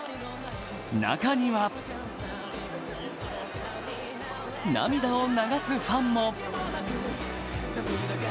中には涙を流すファンも。